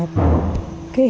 cái hiểu biết